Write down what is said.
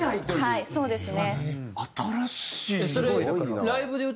はいそうですね。